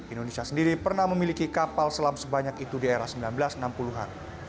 indonesia sendiri pernah memiliki kapal selam sebanyak itu di era seribu sembilan ratus enam puluh an